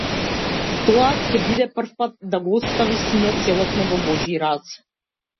Тоа ќе биде првпат да го остави синот целосно во божји раце.